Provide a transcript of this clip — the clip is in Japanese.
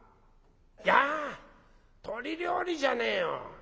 いや鶏料理じゃねえよ。